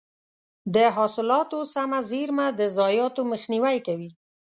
د حاصلاتو سمه زېرمه د ضایعاتو مخنیوی کوي.